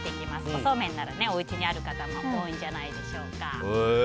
おそうめんならおうちにある方も多いんじゃないでしょうか。